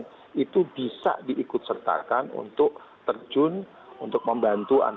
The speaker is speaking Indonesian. tapi itu sudah ada instruksi dari menteri pendidikan dan kebudayaan dari dignas